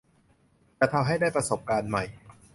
จะทำให้ได้ประสบการณ์ใหม่